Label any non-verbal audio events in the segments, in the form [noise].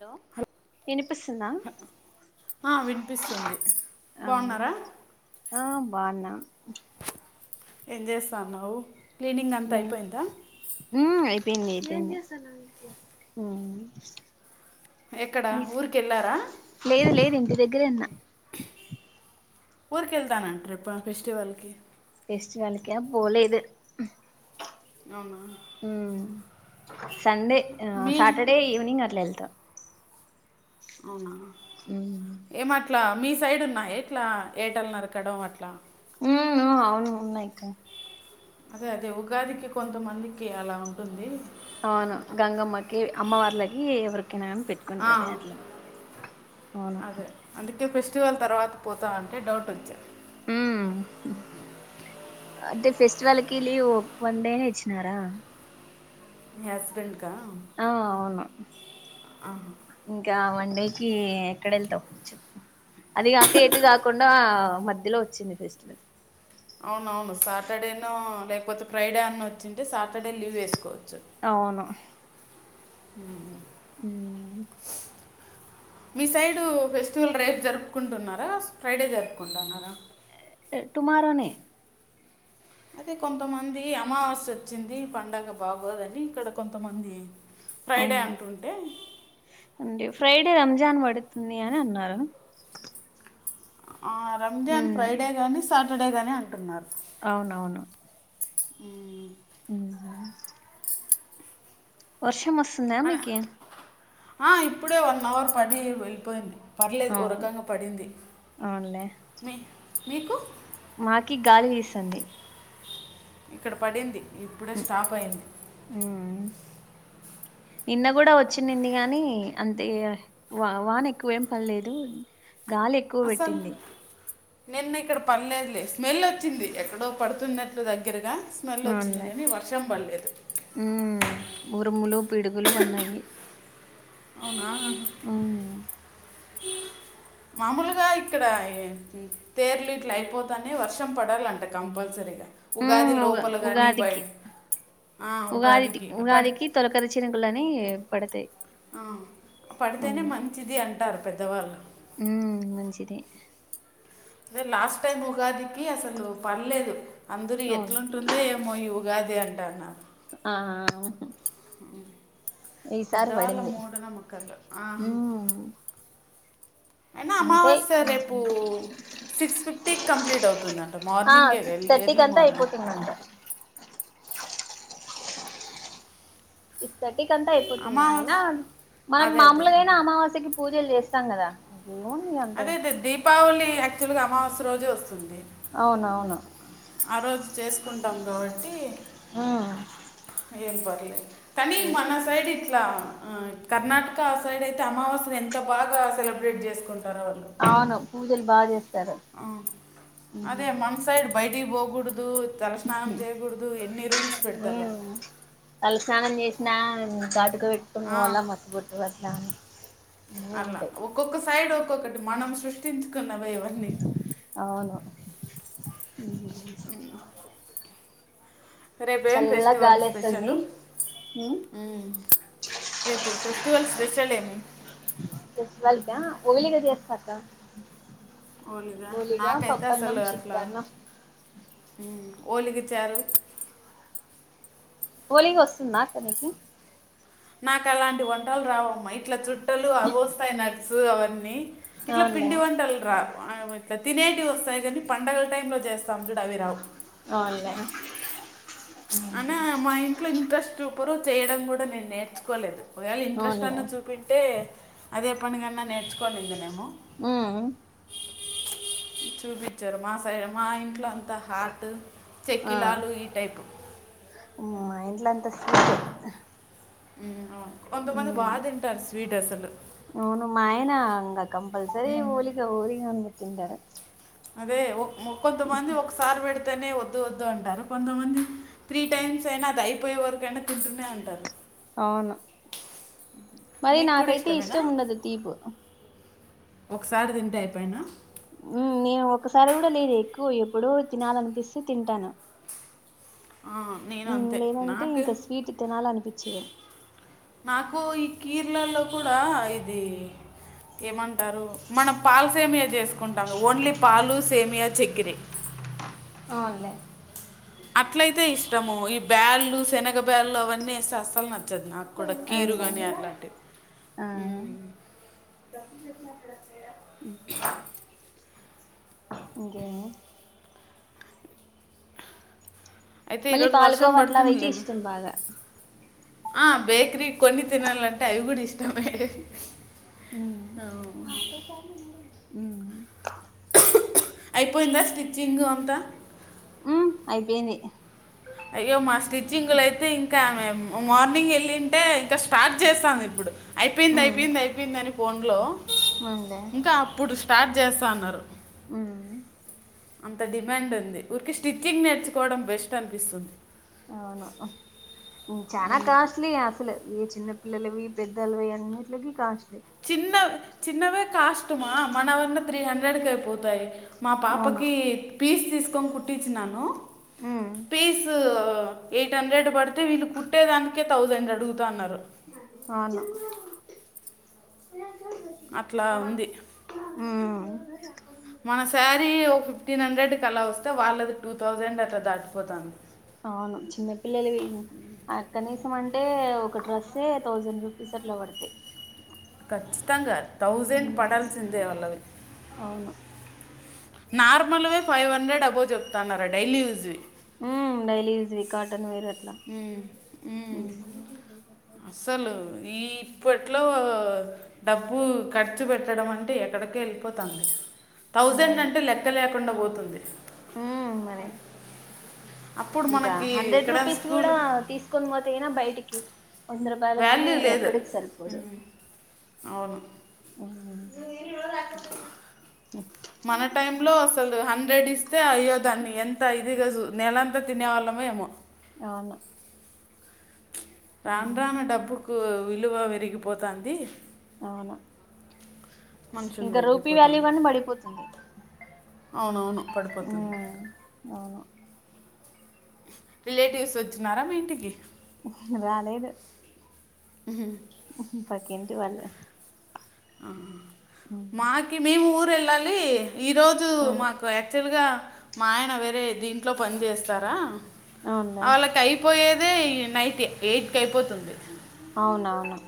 Hello ఎనుపిస్సుంద ఆ, వినిపిస్తుంది హ బాగున్నారా ఆ బాన్నా [inaudible] ఏం చేస్తానవ్ నేన్ హుమ్ ఐప్ పెంది ఐపెంది ఉమ్ ఎక్కడ ఊరికి వెళ్ళారా లేదు లేదు ఇంటి దగ్గరేన్న ఊరికెళ్తానంట్ర ఫెస్టివల్ కి ఫెస్టివల్క పోలేద్ అవునా ఉమ సండే అ మీ సటర్డే ఈవినింగ్ అట్ల ఏల్త ఔన ఉమ్ మీ సైడ్ ఉన్నాయ ఇట్లా ఏటలునరకడం అట్లా ఆ ఔను ఉన్నాయిక్క అదే అదె ఉగాదికి కొంతమందికి అలా ఉంటుంది ఔను గంగమ్మకి అమ్మవార్లకి ఎవర్కైనగని ఆ, పెట్టుకుంటది అట్ల ఔను కె ఫెస్టివల్ తర్వాత పోతా అంటె డౌట్ ఒచ్చింది ఉమ్ అంటే ఫెస్టివల్కి లీవ్ వన్ డేనె ఇచ్చినారా మీ హస్బెండ్కా ఆ ఔను ఇంకా మ కి ఎక్కడ ఎళ్తా చెప్పు అదిగ అక్క ఎటుకాకుండా మధ్యలో వచ్చింది ఫెస్టివల్ అవున అవును సాటర్డేనో లేకపోతే ఫ్రైడే అన్న వచ్చింటే సాటర్డే లీవ్ వేసుకోవచ్చు అవును హ్ [unintelligible] హ్మ్ మీ సైడు ఫెస్టివల్ రేపు జరుపుకుంటున్నారా, ఫ్రైడే జరుపుకుంటున్నారా. టుమారోనే అదే కొంతమంది అమావాస్య వచ్చింది, పండగ బాగోదని ఇక్కడ కొంతమంది ఫ్రైడే అవునా అంటుంటే ఫ్రైడే రంజాన్ పడుతుంది అని అన్నారు. ఆ రంజాన్ ఉమ్ ఫ్రైడే గాని సా సాటర్డే గాని అంటున్నారు. అవునవును. ఉ హ్ వష్ [unintelligible] వర్షం వస్తుందా అన- మీకి ఆ ఇప్పుడే వన్ అవర్ పడి వెళ్ళిపోయింది. పర్లేదు ఆ ఓ రకంగా పడింది. అవునులే మీ మీకు మాకి గాలి వీస్తుంది. ఇక్కడ పడింది. ఇప్పుడే స్టార్ట్ అయింది. ఉమ్ నిన్న కూడా వచ్చినిమ్ది గానీ అంతే వా వాన ఎక్కువేం పడ్లేదు. గాలి ఎక్కువ అసలు పెట్టింది. నిన్న ఇక్కడ పడలేదులే స్మెల్ వచ్చింది, ఎక్కడో పడుతున్నట్లు దగ్గరగా. స్మెల్ వచ్చింది అవునులే కానీ వర్షం పడలేదు. ఉమ్ ఉరుములు, పిడుగులు పడినాయి అవునా ఆ మామూలుగా ఇక్కడ తేర్లు ఇట్లు అయిపోతనే వర్షం పడాలంట కంపల్సరీగా ఉ ఉగాది ఉగా లోపల కానీ బయ ఉగాదికి ఆ, ఉగాదిటి ఉగాదికి పడి ఉగాదికి తొలకరిచినుకులని పడతయి. ఆ పడితేనే మంచిది అంటారు పెద్దలు పెద్ద వాళ్ళు ఉ మంచిది అదే లాస్ట్ టైం ఉగాదికి అసలు పడ్లేదు. అందరు అవును ఎట్లుంటుందో ఏమో ఈ ఉగాది అని తాన ఆ ఈసారి అవును ఈ సారి పెద్దవాళ్ళ పడింది మూఢనమ్మకాలు ఆ. హ్మ్ అయినా అమావాస్య రేపు సిక్స్ ఫిఫ్టీకి కంప్లీట్ అవుతుందంట ఆ మార్నింగే ఎ సిక్స్ థర్టీకి ఎర్లీ అంతా మార్నింగ్. అయిపోతుందంట ఇస్త తీ కంతా అయిపోతుంది అయినా అమావాస్య మనం అదే అదే మామూలుగాయినా అమావాస్యకి పూజలు చేస్తాం కదా ఇంకేముంది అంత అదే అదే దీపావళి యక్చువల్ గ అమావాస్య రోజే వస్తుంది అవునవును ఆ రోజు చేసుకుంటాం కాబట్టి మ్మ్ ఏం పర్లేద్ తనీ మన సైడ్ ఇట్లా ఆ కర్ణాటక ఆ సైడ్ అయితే అమావాస్య ఎంత బాగా సెలబ్రేట్ చేసుకుంట్ అవును పూజలు బాగా చేస్తా ఆ అదే మన సైడ్ బై టికి పోకూడదు తలస్నానం చేయకూడదు ఎన్ని రూల్స్ పెడతారో నా [unintelligible] కో పెట్టుకుని పోవాళ్ళ మస్సి బొట్టు అట్ల అని అట్లా ఒక్కొక్క సైడ్ ఒ ఒకటి మనం సృష్టించ కున్నవే ఇవన్నీ హ్మ్ హు రేపు ఏం ఫెస్టివల్ స్పెషల్ గాలేస్తుంది రేపు ఫెస్టివల్ స్పెషల్ ఏమి చేస్తక్క ఓలిగా నాకైతే అస్సలు అట్ల చిత్రాన్నం మ్మ్ వోలిగా చారు వోలిగా వస్తుందా అక్క నికి నాకు అలాంటి వంటలు రావమ్మా ఇట్లా చు ట్టలు అవోస్తాయి నాకి సు అవన్నీ ఇట్లా అవునులే పిండి వంటలు రావ ఇట్లా తినేటివి వస్తాయి కాని పండగల టైం లో చేస్ త్తం జుడు అవి రావ్ అవునులే అన్న మా ఇంట్లో ఇంక స్ట్రప్ ఎప్పురూ చేయడం కూడా నేను నేర్చుకోలేదు ఒకవేళ ఇంట్రెస్ట్ అవునులే అన్నా చూపింట్టే అదే పండుగ గన్నా నేర్చుకో పనుందినేమో ఉమ్ చూపించారు మా సై మా ఇంట్లో అంత ద హార్ట్ ఆ చెక్కిలాలు ఈ టైపు మా ఇంట్ల అంతా స్ ఉ అ హ అవును మాయనా హంగా కంపల్సరి హోలిగా ఊరి అన్బ తింటారు అదే ఓ మొక్క కొంతమంది ఒకసారి పెడితేనే వద్దు వద్దు అంటారు కొంతమంది త్రీ టైమ్స్ అయినా అది అదయిపోయే వరక అయినా తింటూనే ఉంటారు అవును మరి నీకు కూడా నాకైతే ఇష్టమేనా ఇష్టం ఉండదు తీపు ఒకసారి తింటే అయిపోయినా నేను ఒకసారి కూడా లేదు ఎక్కువ ఎప్పుడూ తినాలనిపిస్తే తింటాను ఆ నేను అంతే లేదంటే నాకు ఇంకా స్వీట్ తినాలనిపించదు నాకు ఈ కీర్లల్లో కూడా ఇది ఏమంటారు మనం పాలు సేమియా చేసుకుంటాము ఓన్లీ పాలు సేమియా చేక్కిరి అవునులే అట్లయితే ఇష్టము ఈ బ్యాగలు శనగ బ్యా గళ్లు అవన్నీ వేస్తే అస్తలు నాచ్ దు నాకు కూడా కీరు అవునులే కాని అట్లాంటివి ఉమ్ డాకట్నాక్కడ సైడా ఉమ్ ఇంకేమీ అయితే మళ్ళీ ఈరోజు వర్షం పాల్గోవా అట్లా అయితే పడుతుందిలేమి ఇష్టం బాగా ఆ బేక్రిీ కొన్ని తినాల అంటే అవి కూడా ఇష్టంమే ఉమ్మ్ ఉ అయిపోయిందా స్టిచ్చింగ్ అంతా ఉమ్ అయిపోయింది అయ్యో మా స్టిచ్చింగ్ లు అయితేం ఇంకాే మేమ్ మార్నింగ్ వెళ్ళింటే ఇంకా స్టార్ట్ చేస్తాం ఇప్పుడు అయిపోయింది ఉమ్ అయిపోయింది అయిపోయింద అని ఫోన్లో అవునులే ఇంకా అప్పుడు స్టార్ట్ చేస్తా అన్నారు ఉమ్మ్ అంత డిమాండ్ ఉంది ఊరికి స్టిచ్చింగ్ నేర్చుకోవడం బెస్ట్ అని పిస్తుంది అవును చనాా కాస్ట్లీ అసలు ఈ చిన్న పిల్లలవి పెద్దలవి అన్నింటికి కాష్ట చిన్న చిన్నవే కాస్ట్మా మన వన్న త్రీ హండ్రెడ్ కి అయిపోతాయి మా అవును పాపకి పీస్ తీస్ కం కుటిచ్చునను ఉమ్ పీసు ఎయిట్ హండ్రెడ్ పడితే వీళ్ళు కుట్టే దానికే థౌసండ్ అడుగు అవును అట్లా ఉంది ఉమ్ మన శారీ ఓ ఫె టీన్ హండ్రెడ్కి అలా వస్తే వాళ్ళది టూ థౌజండ్ అట్లా దాటిపోతుంది అవును చిన్నపిల్లలు అక్కనీసం అం అంటే ఒక డ్రస్ ఎ థౌజండ్ రూపీస్ అట్లా పడతాయి కచ్చితంగా తథౌజండ్ పడల్స్ందే వలవి అవును నార్మల్వే ఫైవ్ హండ్రెడ్ అబో చెప్తున్నారా డైలీ యూస్ వి ఉమ్ డైలీ యూస్ వి కాటన్ వేర్ అట్లా ఉమ్ ఉమ్ అసలు ఈ ఇప్పట్లో డబ్బు ఖర్చు పెట్టడం అంటే ఎక్కడికో వెళ్ళిపోతుంది థౌజండ్ అంటే లెక్కలే కుండబోతుంది హమ్ మరి అప్పుడు ఇంకా మనకి హండ్రెడ్ ఎక్కడ రూపీస్ స్కూల్ కూడా తీసుకొని పోతే గణ బయటికి వంద రూపాయలు గానీ వాల్యూ లేదు ఎక్కడికి సరిపోదు అవును మ్ మన టైమ్ లో అసలు హండ్రెడ్ ఇస్తే అయ్యోదాన్ని ఎంత ఇ దిగా నెలంతా తినే వాళ్ళమేమో అవును ఉమ్ రానురాను డబ్బుకు విలువ విరిగిపోతంది అవును మనుషులు ఇంకా రూపీ తగ్గిపోతాను వ్యాలీవన్నీ పడిపోతుంది అవునవును పడిపోతుంది ఉమ్ అవును రిలేటివ్స్ వచ్చినారా మీ ఇంటికి రాలేదు ఉహుం ఉహ్ పక్కింటి వాళ్లు ఆ మాకి మేము ఊర్ వెళ్ళాలి. ఈరోజు మాకు యాక్చువల్గా మా ఆయన వేరే దీంట్లో పని చేస్తారా. అవునులే అలకైపోయే ఇదే నైట్కి యయిట్ కె అయిపోత అవునా అ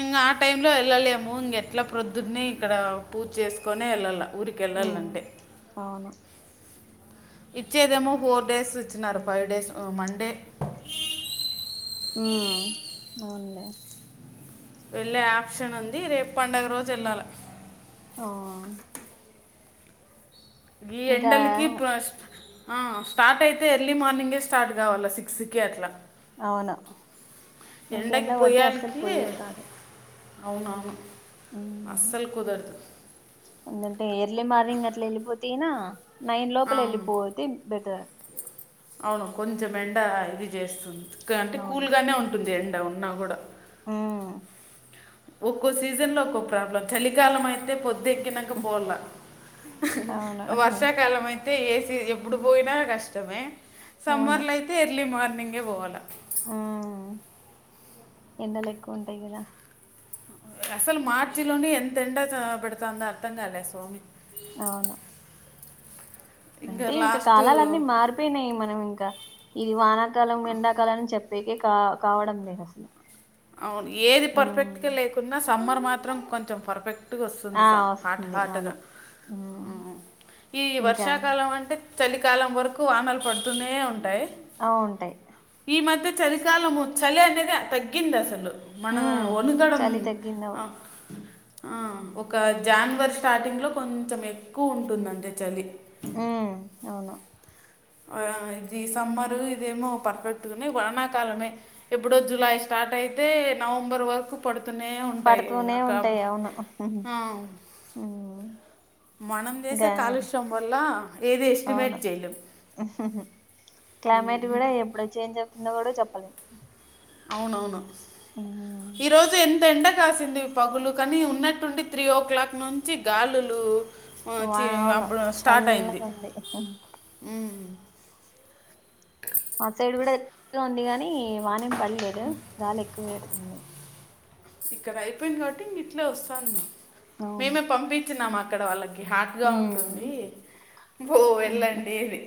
ఇంగా ఆ టైమ్ లో ఎళ్ళలేము ఇంగ ఎట్లా ప్రొద్దుడిని ఇక్కడ పూజ చేసుకోనే ఎళ్ళాల ఊరికె ఉమ్ ఎళ్ళాలంటే అవును ఇచ్చేదేమో ఫోర్ డేస్ ఇచ్చినారు ఫైవ్ డేస్ మండే ఉమ్ అవునలే వెళ్ళే యాక్షన్ ఉంది రేపు పండుగ రోజు ఎళ్ళాల. ఆ గి ఇంకా ఎండలకి పస్ ఆ స్టార్ట్ అయితే ఎర్లీ మార్నింగే స్టార్ట్ కావాలి సిక్స్కి అట్లా అవును ఇంక ఎండ ఎండకి కొడితే అస్సలు పోయేక్ కాదు. అవున అవును. ఉమ్ అస్సలు కుదరదు. ఎందుంటే ఎర్లీ మార్నింగ్ అట్లా వెళ్ళిపోతయినా నైన్ ఆ, లోపల ఎళ్ళిపోతే బెటర్ అవును కొంచెం ఎండ ఇది చేస్తుంది. అంటే కూల్ అవును గానే ఉంటుంది ఎండ్ ఇడ ఉన్నా కూడా ఉమ్ ఒక్కో సీజన్ లో ఒక్కో ప్రాబ్లం చలికాలం అయితే పొద్దెకినంక పోవలా అవును వర్షాకాలమై తే ఏసి ఎప్పుడు పోయినా కష్టం. మే అవును సమ్మార్లు అయితే ఎర్లీ మార్నింగ్ నింగే పోవాల ఉమ్ ఎండలు ఎక్కువ ఉంటాయి గదా అసలు మార్చి లోనే ఎంత ఎండ పెడుతుందో అర్థం కాలే స్వామి అవును అంటే ఇంకా కాలాలన్నీ మారిపోయినాయి మనం ఇంకా ఇది వానాకాలం ఎండాకాలం అని చెప్ పేకే కా కావడం లేదు అసలు అవును ఏది పర్ఫెక్ట్ గా ఉమ్ లేకున్న స్ సమ్మర్ మాత్రం కొంచెం పర్ఫెక్ ట్టుగా వస్తుంది ఆ స హాట్ వస్తుంది హాట్గా అవును ఉమ్ ఆ ఈ ఇంకా వర్షాకాలం అంటే చలికాలం వరకు వానలు పడుతూనే ఉంటయి ఆ ఉంటాయి ఈ మధ చలికాలము చలి అనేది తగ్ గిందసలు మన ఉమ్ ఒనుతడం చలి తగ్గిందవు ఆ ఒక జానువరి స్టార్టింగ్ లో కొంచెం ఎక్కువ ఉంటుందంతే చలి ఉమ్ అవును ఆ ఇది సమ్మరు ఇదేమో పర్ఫెక్ట్గానే వానాకాలమే ఎప్పుడో జులై స్టార్ట్ అయితే నవంబర్ వరకు పడు పడుతూనే ఉంటయి అవును ఆ, ఊ మనం చేసే కాలుష్యం వల్ల ఏది ఎస్టిమేట్ అవును జేయలేం కింద కూడ చెప్పలేం అవునవును ఉమ్ ఈ రోజు ఎన్ ఎండ కాసింది పగులు కానీ ఉన్నట్టుండి త్రీ ఓ క్లాక్ నుంచి గాలులు ఆ వా చి అవును అప్పుడు స్టార్ట్ అయింది చల్లగా ఉంది మా సైడ్ కూడ ఎ ఉంది గాని ఈ వానేం పడ్లేదు గాలి ఎక్కువ వెడుతుంది ఇక్కడ అయిపోయింది కాబట్టి ఇంగ ఇట్లే వస్తాంది అవునా మేమే పంపించినామ్ అక్కడ వాళ్ళకి హాట్గా ఉంటుంది ఉమ్ బో ఉమ్ వెళ్ళండి అని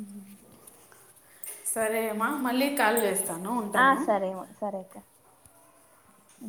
ఉ సరే అమా మళ్ళీ కాల్ చేస్త ఆ సరే ము సరే అక్క హు